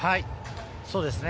そうですね。